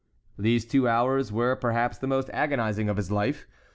These two hours were, perhaps, the most agonizing of his life.